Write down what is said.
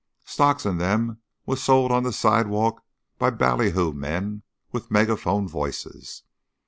Stock in them was sold on the sidewalks by bally hoo men with megaphone voices.